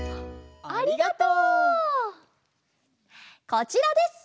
こちらです！